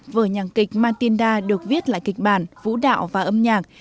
vở nhạc kịch matinda được viết lại kịch bản vũ đạo và âm nhạc